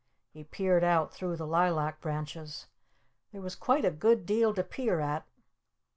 He peered out through the Lilac Branches. There was quite a good deal to peer at.